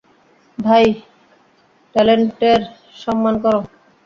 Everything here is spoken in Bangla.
ভাই, টেলেন্টের সম্মান করো।